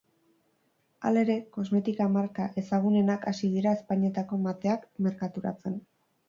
Halere, kosmetika marka ezagunenak hasi dira ezpainetako mateak merkaturatzen.